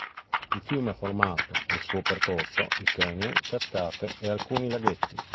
Il fiume ha formato, nel suo percorso, il canyon, cascate e alcuni laghetti.